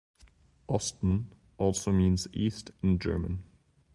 Osten also means "East" in German.